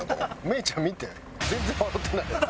芽郁ちゃん見て。